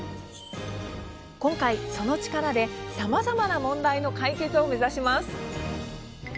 今回、その力でさまざまな問題の解決を目指します。